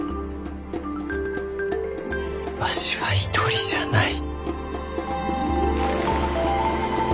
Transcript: わしは一人じゃない。